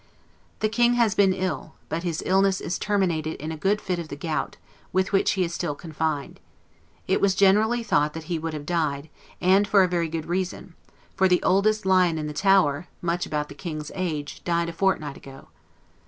The King has been ill; but his illness is terminated in a good fit of the gout, with which he is still confined. It was generally thought that he would have died, and for a very good reason; for the oldest lion in the Tower, much about the King's age, died a fortnight ago.